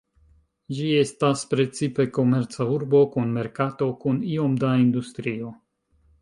Ĝi estas precipe komerca urbo kun merkato kun iom da industrio.